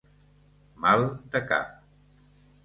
Mal de cap.